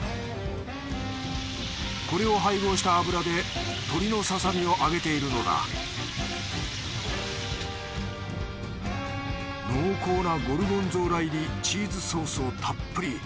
これを配合した油で鶏のささ身を揚げているのだ濃厚なゴルゴンゾーラ入りチーズソースをたっぷり。